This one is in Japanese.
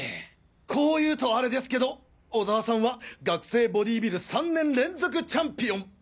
こういうとアレですけど小沢さんは学生ボディビル３年連続チャンピオン！